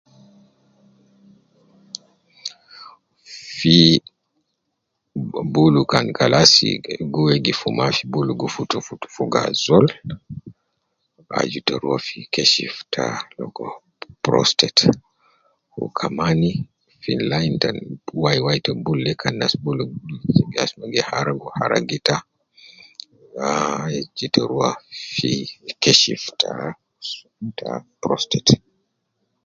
Fiii, bulu kan kalasi gi wegif mafi, bulu gu futu futu fogo azol, aju ita rua fi keshif ta logo prostate, wu kaman fi line ta wai wai ta bulu de kan nas bulu te gi asma gi haragu haragu ita, ahh aju ita rua fi keshif ita ta prostate